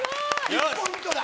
１ポイントだ！